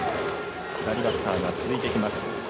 左バッターが続いていきます。